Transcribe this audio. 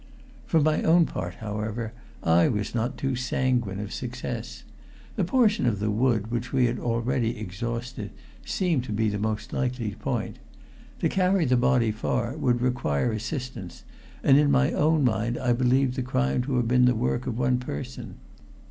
For my own part, however, I was not too sanguine of success. The portion of the wood which we had already exhausted seemed to be the most likely point. To carry the body far would require assistance, and in my own mind I believed the crime to have been the work of one person.